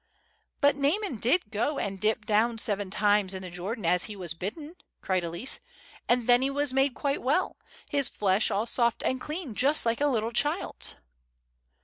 "But Naaman did go and dip down seven times in Jordan as he was bidden," cried Elsie; "and then he was made quite well, his flesh all soft and clean, just like a little child's."